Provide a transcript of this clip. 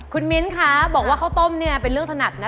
คุณมิ้นคะบอกว่าข้าวต้มเนี่ยเป็นเรื่องถนัดนะ